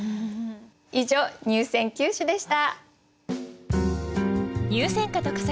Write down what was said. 以上入選九首でした。